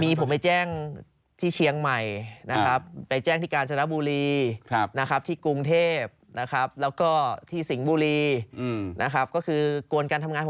มีผมไปแจ้งที่เชียงใหม่นะครับไปแจ้งที่กาญจนบุรีนะครับที่กรุงเทพนะครับแล้วก็ที่สิงห์บุรีนะครับก็คือกวนการทำงาน